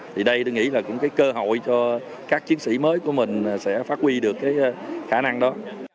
thì đây tôi nghĩ là cũng cái cơ hội cho các chiến sĩ mới của mình sẽ phát huy được cái khả năng đó